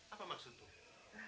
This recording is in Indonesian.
apa masuk tu